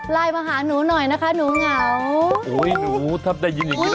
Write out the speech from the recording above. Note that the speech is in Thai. ค่าไลน์มาหาหนูหน่อยนะคะหนูเหงา